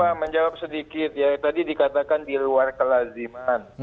saya menjawab sedikit ya tadi dikatakan di luar kelaziman